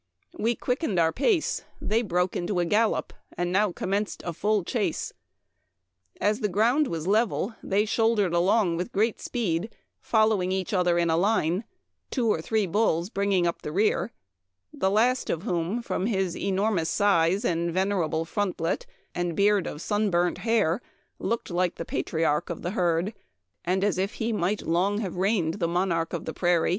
We quickened our pace, they broke into a gallop, and now commenced a full chase. " As the ground was level they shouldered along with great speed, following each otSer in a line, two or three bulls bringing up the rear, the last of whom, from his enormous size and venerable frontlet, and beard of sun burnt hair, looked like the patriarch of the herd, and as if he might long have reigned the monarch of the prairie.